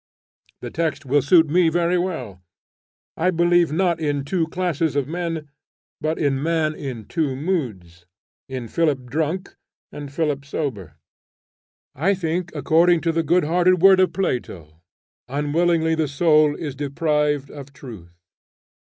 The text will suit me very well. I believe not in two classes of men, but in man in two moods, in Philip drunk and Philip sober. I think, according to the good hearted word of Plato, "Unwillingly the soul is deprived of truth."